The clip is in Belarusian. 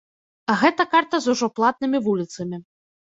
А гэта карта з ужо платнымі вуліцамі.